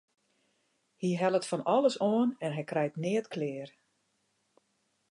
Hy hellet fan alles oan en hy krijt neat klear.